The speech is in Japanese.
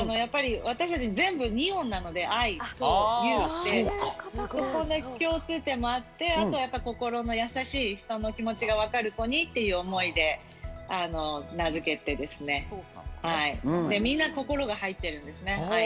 私たち全部名前が２音なので、共通点もあって、あとは心の優しい、人の気持ちがわかる子にという思いで名付けて、みんな「心」が入っているんです。